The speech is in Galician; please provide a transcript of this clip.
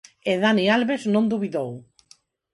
E Dani Alves non dubidou.